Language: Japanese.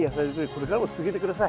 これからも続けて下さい。